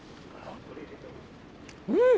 うん！